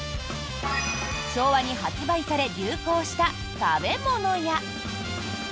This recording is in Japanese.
昭和に発売され流行した食べ物や。